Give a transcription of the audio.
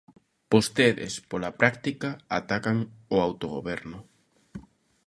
Vostedes, pola práctica, atacan o autogoberno.